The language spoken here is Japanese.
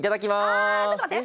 あちょっと待って！